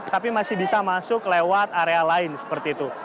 tapi masih bisa masuk lewat area lain seperti itu